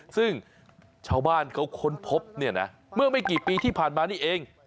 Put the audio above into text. ซึ่งชาวบ้านเขาค้นพบเนี่ยนะเมื่อไม่กี่ปีที่ผ่านมานี่เอง